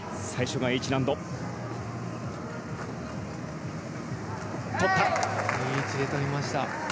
いい位置で取りました。